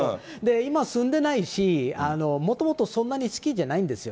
今住んでないし、もともとそんなに好きじゃないんですよ。